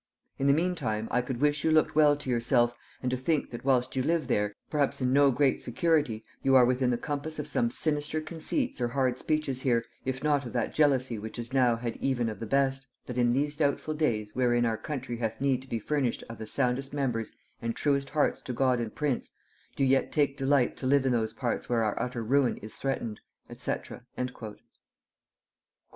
In the mean time I could wish you looked well to yourself, and to think, that whilst you live there, perhaps in no great security, you are within the compass of some sinister conceits or hard speeches here, if not of that jealousy which is now had even of the best, that in these doubtful days, wherein our country hath need to be furnished of the soundest members and truest hearts to God and prince, do yet take delight to live in those parts where our utter ruin is threatened: &c." [Note 87: Birch's "Memoirs."